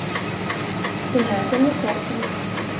Den här gamla saken?